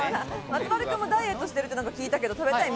松丸君ダイエットしてるって聞いてたけど。